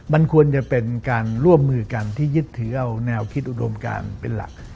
มันควรจะเป็นการร่วมมือกันที่ยึดถือเอาแนวคิดอุดมการเป็นหลัก